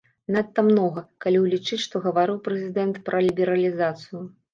Надта многа, калі ўлічыць, што гаварыў прэзідэнт пра лібералізацыю.